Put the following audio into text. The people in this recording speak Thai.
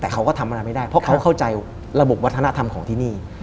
แต่เขาก็ทำอะไรไม่ได้เพราะเขาเข้าใจระบบวัฒนธรรมของที่นี่